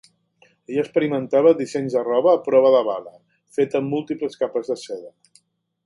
Ell experimentava amb dissenys de roba a prova de bala fet amb múltiples capes de seda.